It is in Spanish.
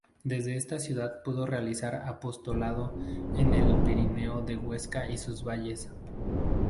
Desde esta ciudad pudo realizar apostolado en el pirineo de Huesca y sus valles.